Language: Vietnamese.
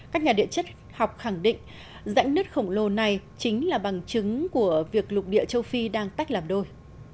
các nhà địa chất học khẳng định rãnh nứt khổng lồ này chính là bằng chứng của việc lục địa châu phi đang tách làm đôi